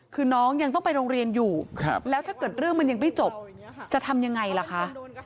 คือน้องยังต้องไปโรงเรียนอยู่แล้วถ้าเกิดเรื่องมันยังไม่จบจะทำยังไงล่ะคะ